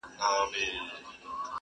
• غوجله لا هم خاموشه ولاړه ده,